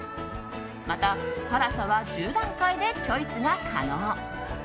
また、辛さは１０段階でチョイスが可能。